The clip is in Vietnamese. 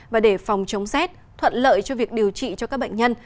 và để phòng chống rét thuận lợi cho việc điều trị cho các bệnh nhân